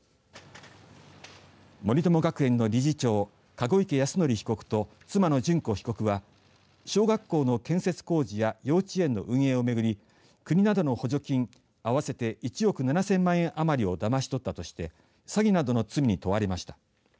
森友学園の理事長籠池泰典被告と妻の諄子被告は小学校の建設工事や幼稚園の運営を巡り国などの補助金合わせて１億７０００万円余りをだまし取ったとして詐欺などの罪に問われました。